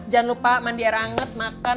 jangan lupa mandi air anget makan